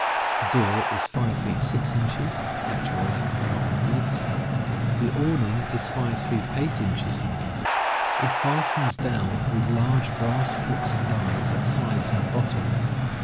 The door is 5 feet 6 inches (actual length along goods) . The awning is 5 feet 8 inches long; it fastens down with large brass hooks and eyes, at sides and bottom.